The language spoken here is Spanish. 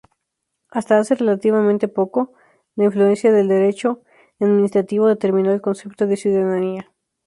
Hasta hace relativamente poco, la influencia del derecho administrativo determinó el concepto de ciudadanía.